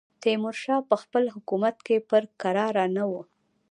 تیمورشاه په خپل حکومت کې پر کراره نه وو.